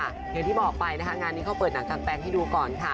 อย่างที่บอกไปนะคะงานนี้เขาเปิดหนังกางแปลงให้ดูก่อนค่ะ